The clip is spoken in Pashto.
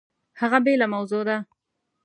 هغه بېله موضوع ده!